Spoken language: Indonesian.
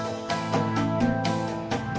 terima kasih banyak om